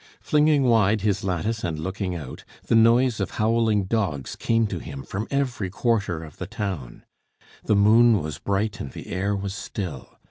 Flinging wide his lattice and looking out, the noise of howling dogs came to him from every quarter of the town. The moon was bright and the air was still.